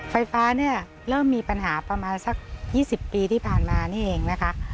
ไฟฟ้าเนี่ยเริ่มมีปัญหาประมาณสัก๒๐ปีที่ผ่านมานี่เองนะคะ